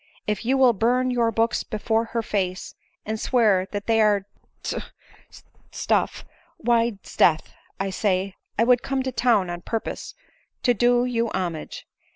if you will burn your books before her face, and swear they are d d stuff, why, 'sdeath, I say, I would come to. town on purpose to do you homage.